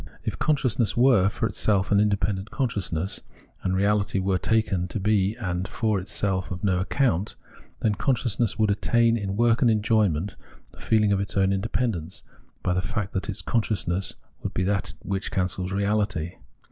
If consciousness were, for itself, an independent consciousness, and reahty were taken to be in and for itself of no account, then consciousness would attain, in work and enjoyment, the feehng of its own independence, by the fact that its consciousness would be that which cancels reahty.